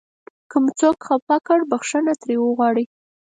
که مو څوک خفه کړ بښنه ترې وغواړئ.